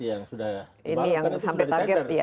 ini yang sampai target ya